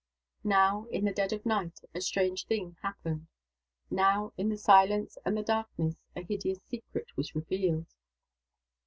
Now, in the dead of night, a strange thing happened. Now, in the silence and the darkness, a hideous secret was revealed.